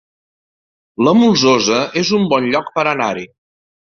La Molsosa es un bon lloc per anar-hi